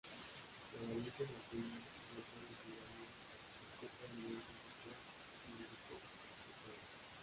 La variante norteña, sobre todo en Finlandia, acopla elementos del folk nórdico y eslavo.